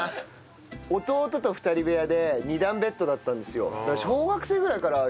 弟と２人部屋で２段ベッドだったんですよ。